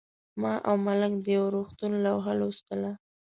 ما او ملنګ د یو روغتون لوحه لوستله.